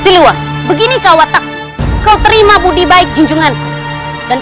siliwangi saja boleh menolak cinta nyi dewi